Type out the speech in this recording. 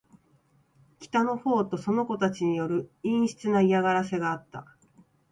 北の方とその娘たちによる陰湿な嫌がらせがあった。